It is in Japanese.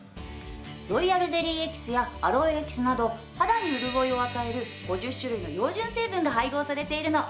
ローヤルゼリーエキスやアロエエキスなど肌に潤いを与える５０種類の養潤成分が配合されているの。